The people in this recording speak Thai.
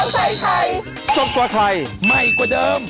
สวัสดีค่ะ